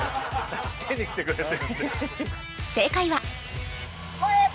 正解は